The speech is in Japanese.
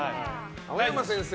青山先生